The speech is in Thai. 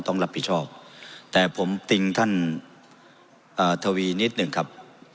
ต้องรับผิดชอบแต่ผมติงท่านทวีนิดหนึ่งครับ